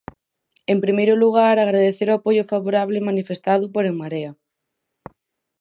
En primeiro lugar, agradecer o apoio favorable manifestado por En Marea.